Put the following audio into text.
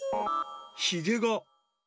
ひげが。